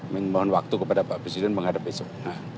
memohon waktu kepada pak presiden menghadap besok